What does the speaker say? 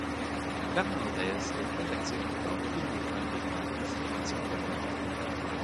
Fernandes est très actif dans beaucoup de mouvements birmans anti-gouvernementaux.